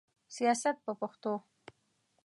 سیاست په پښتو.